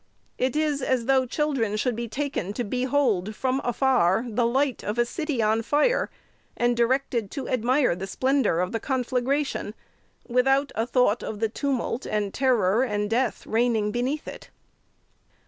It is as though children should be taken to behold, from afar, the light of a city on fire, and directed to admire the splendor of the conflagration, without a thought of the tumult, and terror, and death reigning beneath it.